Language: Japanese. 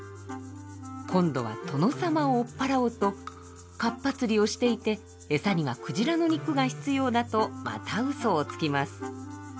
今度は殿様を追っ払おうと「かっぱ釣りをしていて餌には鯨の肉が必要」だとまたうそをつきます。